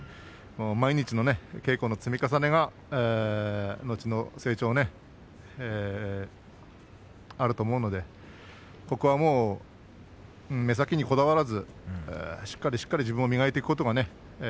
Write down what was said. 毎日の稽古の積み重ねが後の成長をねあると思うのでここは、もう目先にこだわらずしっかりしっかり自分を磨いていくことがね